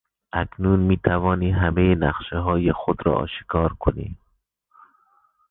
اکنون میتوانی همهی نقشههای خود را آشکار کنی.